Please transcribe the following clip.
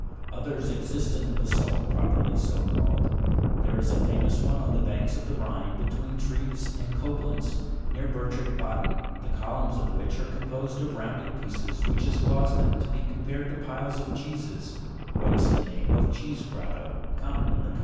Others exist in the ba sa'lt, properly so called ; there is a famous one on the banks of the Rhine, between Troves " and Coblcntz, near Ber trich Baden (Jig. 281), the columns of which are composed of rounded pieces, which has caused Fig. 281.7 Cheese grotto, at Bertrich Baden. tnem to be compared to piles of cheeses, whence the name of cheese grotto, common in the country.